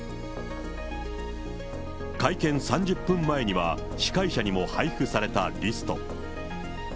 会見３０分前には、司会者にも配布されたリスト。